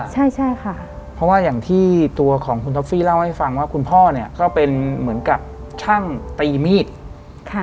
ใช่ใช่ค่ะเพราะว่าอย่างที่ตัวของคุณท็อฟฟี่เล่าให้ฟังว่าคุณพ่อเนี่ยก็เป็นเหมือนกับช่างตีมีดค่ะ